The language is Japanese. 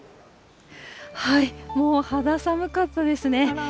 もう肌寒かったですね。